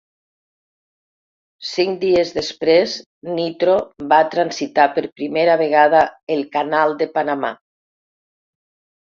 Cinc dies després, "Nitro" va transitar per primera vegada el Canal de Panamà.